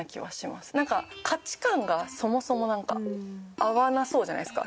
価値観がそもそもなんか合わなそうじゃないですか。